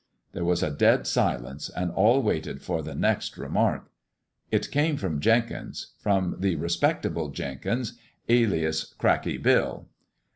There was a dead silence, and all waited for the next remark. It came from Jenkins — from the respectable Jenkins, aliaa Cracky Bill.